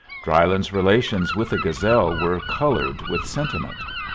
Drylyn's relations with the Gazelle were colored with sentiment.